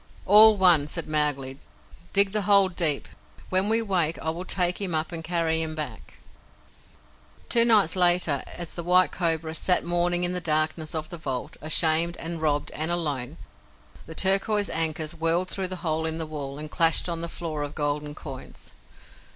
"All one," said Mowgli. "Dig the hole deep. When we wake I will take him up and carry him back." Two nights later, as the White Cobra sat mourning in the darkness of the vault, ashamed, and robbed, and alone, the turquoise ankus whirled through the hole in the wall, and clashed on the floor of golden coins.